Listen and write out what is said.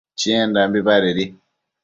Chiendambi badedi